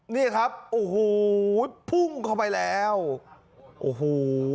นี่ครับโอ้โหพุ่งเข้าไปแล้วโอ้โห